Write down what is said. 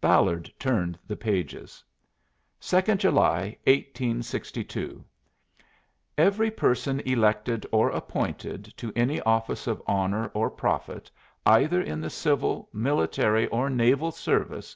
Ballard turned the pages. "'Second July, 1862. Every person elected or appointed to any office of honor or profit, either in the civil, military, or naval service